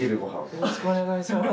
よろしくお願いします。